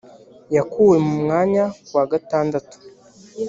yakuwe mu mwanya ku wa gatandatu